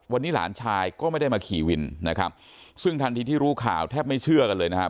วันนี้หลานชายก็ไม่ได้มาขี่วินนะครับซึ่งทันทีที่รู้ข่าวแทบไม่เชื่อกันเลยนะครับ